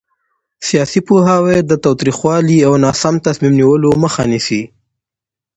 سیاسي پوهاوی د تاوتریخوالي او ناسم تصمیم نیولو مخه نیسي